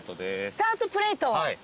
スタートプレート。